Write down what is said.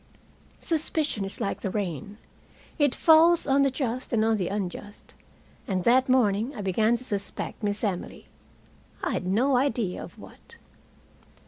Suspicion is like the rain. It falls on the just and on the unjust. And that morning I began to suspect Miss Emily. I had no idea of what.